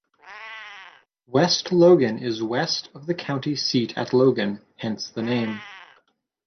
West Logan is west of the county seat at Logan, hence the name.